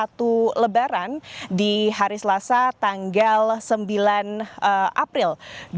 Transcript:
waktu lebaran di hari selasa tanggal sembilan april dua ribu dua puluh